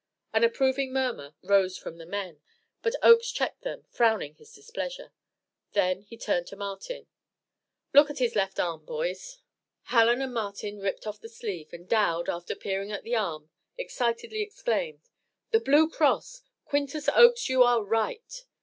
An approving murmur rose from the men, but Oakes checked them, frowning his displeasure. Then he turned to Martin: "Look at his left arm, boys." Hallen and Martin ripped off the sleeve, and Dowd, after peering at the arm, excitedly exclaimed: "The blue cross! Quintus Oakes, you are right."